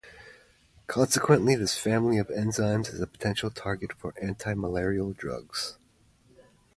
Consequently, this family of enzymes is a potential target for antimalarial drugs.